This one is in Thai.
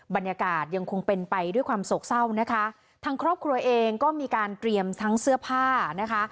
บรรยากาศยังคงเป็นไปด้วยความโศกเศร้านะคะทางครอบครัวเองก็มีการเตรียมทั้งเสื้อผ้านะคะ